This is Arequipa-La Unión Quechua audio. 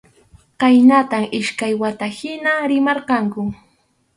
Khaynatam iskay wata hina rimarqanku.